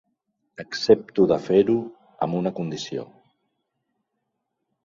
Accepto de fer-ho, amb una condició.